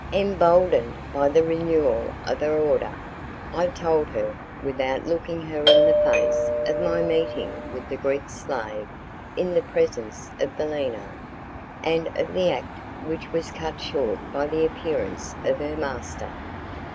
Emboldened by the renewal of her order, I told her, without looking her in the face, of my meeting with the Greek slave in the presence of Bellino, and of the act which was cut short by the appearance of her master.